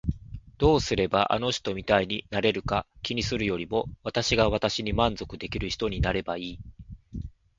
どうすればあの人みたいになれるか気にするよりも私が私に満足できる人になればいい。